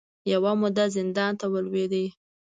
یوه موده زندان ته ولوېد